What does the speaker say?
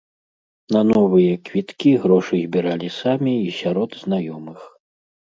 На новыя квіткі грошы збіралі самі і сярод знаёмых.